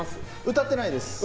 歌ってないです。